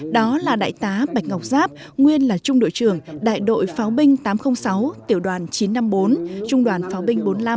đó là đại tá bạch ngọc giáp nguyên là trung đội trưởng đại đội pháo binh tám trăm linh sáu tiểu đoàn chín trăm năm mươi bốn trung đoàn pháo binh bốn mươi năm